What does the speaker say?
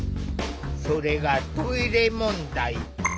それがトイレ問題。